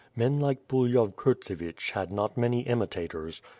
Men like Bulyhov Kurt zevich had not many imitators.